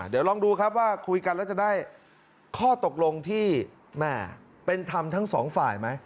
เดี๋ยวลองดูครับว่าคุยกันแล้วจะได้ข้อตกลงที่แม่เป็นธรรมทั้งสองฝ่ายไหม